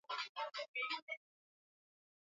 hebu pita vile au ingia humo ndani ingia humo ndani